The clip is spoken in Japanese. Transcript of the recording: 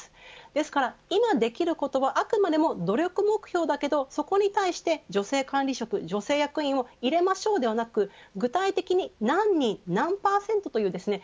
ですから、今できることはあくまでも努力目標だけどそこに対して女性管理職、女性役員を入れましょうではなく、具体的に何人、何％というですね